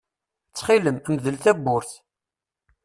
Ttxil-m, mdel tawwurt!